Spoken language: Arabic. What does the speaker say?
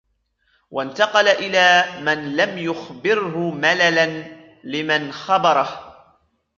وَانْتَقَلَ إلَى مَنْ لَمْ يُخْبِرْهُ مَلَلًا لِمَنْ خَبَرَهُ